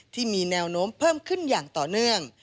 ที่มีแนวโน้มเพิ่มขึ้นอย่างต่อเนื่อง